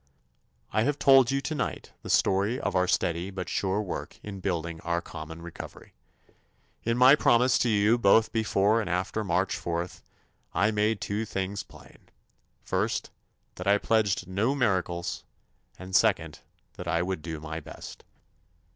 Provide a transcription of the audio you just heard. I have told you tonight the story of our steady but sure work in building our common recovery. In my promises to you both before and after March 4th, I made two things plain: First, that I pledged no miracles and, second, that I would do my best.